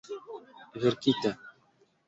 verkita